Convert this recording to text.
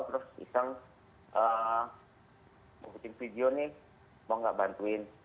terus iseng mau bikin video nih mau gak bantuin